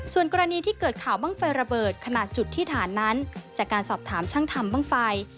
ส่วนกรณีที่เกิดข่าวบ้างไฟระเบิดขนาดจุดที่ฐานนั้นจากการสอบถามช่างทำบ้างไฟ